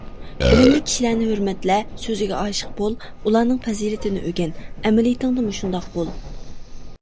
بىلىملىك كىشىلەرنى ھۆرمەتلە، سۆزىگە ئاشىق بول، ئۇلارنىڭ پەزىلىتىنى ئۆگەن، ئەمەلىيىتىڭدىمۇ شۇنداق بول.